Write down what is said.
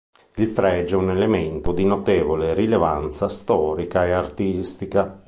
Il fregio è un elemento di notevole rilevanza storica e artistica.